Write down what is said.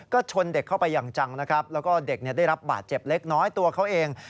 ก็ชนเด็กเข้าไปอย่างจังนะครับแล้วก็เด็กได้รับบาดเจ็บเล็กน้อยตัวเขาเอง